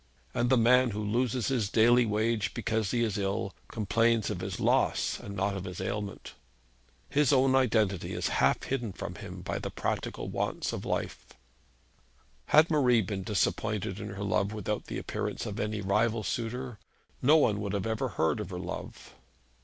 And the man who loses his daily wage because he is ill complains of his loss and not of his ailment. His own identity is half hidden from him by the practical wants of his life. Had Marie been disappointed in her love without the appearance of any rival suitor, no one would have ever heard of her love.